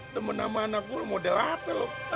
demen sama anak gua lu model apa lu